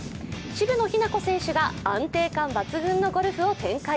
渋野日向子選手が安定感抜群のゴルフを展開。